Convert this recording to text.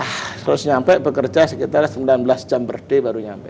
terus nyampe bekerja sekitar sembilan belas jam berde baru nyampe